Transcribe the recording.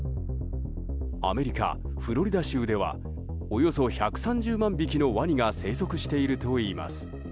アメリカ・フロリダ州ではおよそ１３０万匹のワニが生息しているといいます。